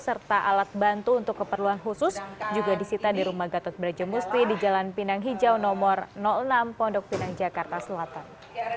serta alat bantu untuk keperluan khusus juga disita di rumah gatot brajamusti di jalan pinang hijau nomor enam pondok pinang jakarta selatan